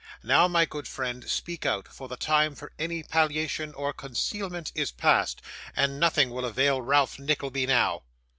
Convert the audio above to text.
Now, my good friend, speak out; for the time for any palliation or concealment is past, and nothing will avail Ralph Nickleby now.